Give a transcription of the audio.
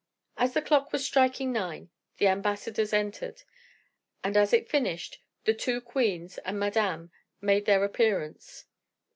As the clock was striking nine the ambassadors entered, and as it finished, the two queens and Madame made their appearance.